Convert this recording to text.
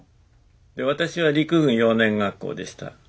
私は陸軍幼年学校でした。